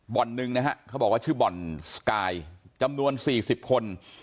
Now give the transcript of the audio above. หนึ่งนะฮะเขาบอกว่าชื่อบ่อนสกายจำนวน๔๐คน